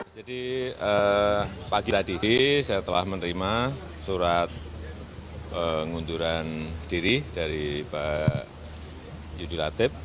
jadi pagi tadi saya telah menerima surat pengunduran diri dari pak yudi latif